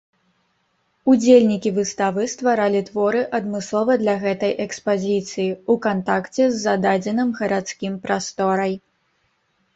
Удзельнікі выставы стваралі творы адмыслова для гэтай экспазіцыі, у кантакце з зададзеным гарадскім прасторай.